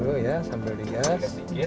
dulu ya sambil digas